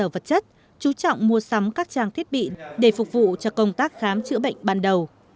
vật chất chú trọng mua sắm các trang thiết bị để phục vụ cho công tác khám chữa bệnh ban đầu